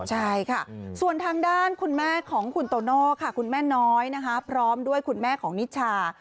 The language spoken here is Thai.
ใช่ค่ะส่วนทางด้านคุณแม่ของคุณโตโน่ค่ะคุณแม่น้อยนะคะพร้อมด้วยคุณแม่ของนิชา